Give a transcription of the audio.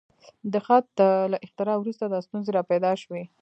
د خط له اختراع وروسته دا ستونزې راپیدا شوې.